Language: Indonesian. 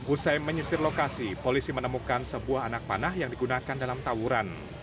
usai menyisir lokasi polisi menemukan sebuah anak panah yang digunakan dalam tawuran